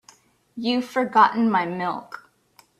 You've forgotten my milk.